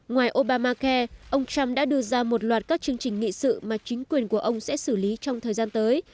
ngoài obamacai ông trump đã đưa ra một loạt các chương trình nghị sự mà chính quyền của ông sẽ xử lý trong thời gian tới